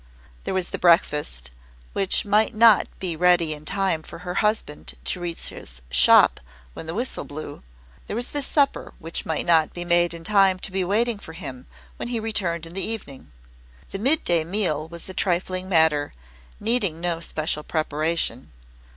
There was the breakfast, which might not be ready in time for her husband to reach his "shop" when the whistle blew; there was the supper, which might not be in time to be in waiting for him when he returned in the evening. The midday meal was a trifling matter, needing no special preparation.